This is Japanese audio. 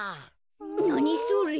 なにそれ。